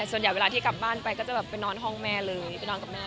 ส่วนใหญ่เวลาที่กลับบ้านไปก็จะไปนอนห้องแม่เลย